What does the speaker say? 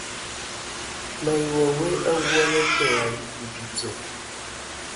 Me ayi wa we awu a na te ai bidzo !